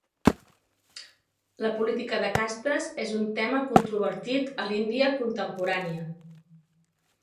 La política de castes és un tema controvertit a l'Índia contemporània.